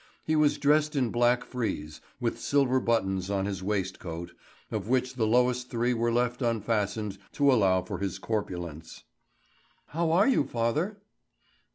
He was dressed in black frieze, with silver buttons on his waistcoat, of which the lowest three were left unfastened to allow for his corpulence. "How are you, father?"